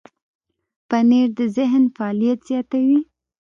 پنېر د ذهن فعالیت زیاتوي.